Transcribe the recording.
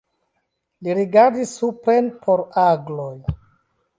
Li rigardis supren por agloj.